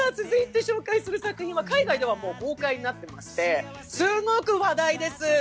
続いて紹介する作品は海外では公開になっていましてすごく話題です。